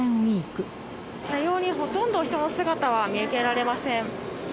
車両にほとんど人の姿は見受けられません。